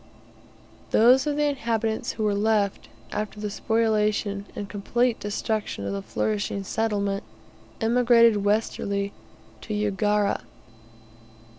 Those of the inhabitants who were left, after the spoliation and complete destruction of the flourishing settlement, emigrated westerly to Ugara.